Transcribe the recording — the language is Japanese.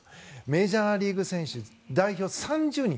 メジャーリーグ選手代表３０人。